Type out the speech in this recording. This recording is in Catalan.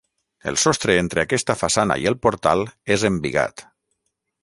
El sostre entre aquesta façana i el portal és embigat.